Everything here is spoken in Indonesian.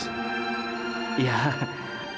dokter juga dokternya pak haris